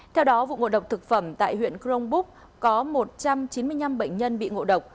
theo đó vụ ngộ độc thực phẩm tại huyện crong búc có một trăm chín mươi năm bệnh nhân bị ngộ độc